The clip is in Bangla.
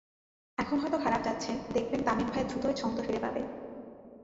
এখন হয়তো খারাপ যাচ্ছে, দেখবেন তামিম ভাই দ্রুতই ছন্দ ফিরে পাবে।